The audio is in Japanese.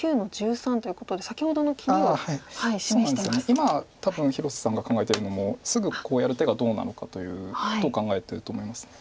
今多分広瀬さんが考えてるのもすぐこうやる手がどうなのかということを考えてると思います。